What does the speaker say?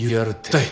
はい。